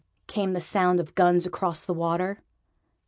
came the sound of guns across the water.